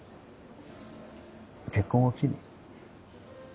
結婚を機に。